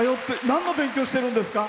なんの勉強してるんですか？